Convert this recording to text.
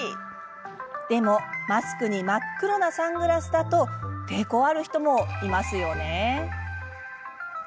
でも、マスクに真っ黒なサングラスだと抵抗ある人もいますよね。